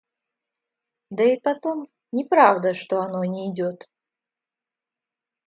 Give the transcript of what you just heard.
Да и потом, не правда, что оно нейдет.